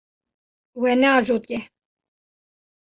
We neajotiye.